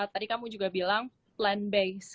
tadi kamu juga bilang plan base